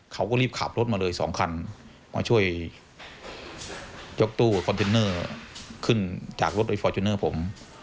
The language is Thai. เขาก็รีบขับรถมาเลย๒คันมาช่วยยกตู้คอนเทนเนอร์ขึ้นจากรถโดยฟอร์จูเนอร์ผม